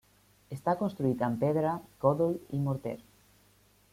Està construït amb pedra, còdol i morter.